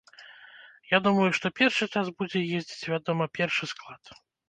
Я думаю што першы час будзе ездзіць, вядома, першы склад.